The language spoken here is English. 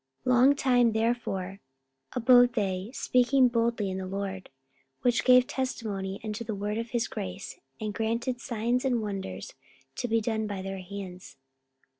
44:014:003 Long time therefore abode they speaking boldly in the Lord, which gave testimony unto the word of his grace, and granted signs and wonders to be done by their hands.